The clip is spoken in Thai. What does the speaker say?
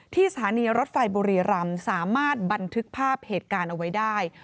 สถานีรถไฟบุรีรำสามารถบันทึกภาพเหตุการณ์เอาไว้ได้